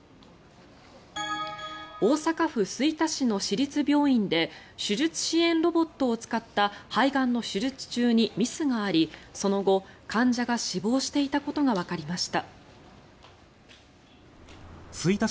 大阪府吹田市の市立病院で手術支援ロボットを使った肺がんの手術中にミスがありその後患者が死亡していたことがわかりました。